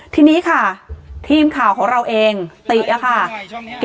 ทีนี้ค่ะทีมข่าวของเราเองติ๊อะค่ะช่องไหนช่องไหน